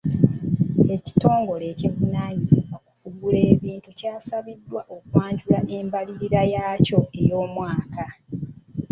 Ekitongole ekivunaanyizibwa kukugula ebintu kyasabiddwa okwanjula embalirira yaakyo ey'omwaka.